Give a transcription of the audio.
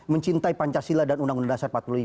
mencintai pancasila dan undang undang dasar empat puluh lima